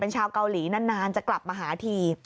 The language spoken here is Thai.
ชาวเกาหลีนานจะกลับมาหาที